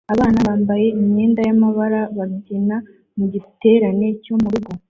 Abana bambaye imyenda y'amabara babyina mugiterane cyo murugo